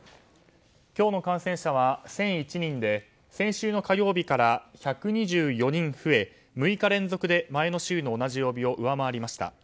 今日の感染者は１００１人で先週の火曜日から１２４人増え６日連続で前の週の同じ曜日を上回りました。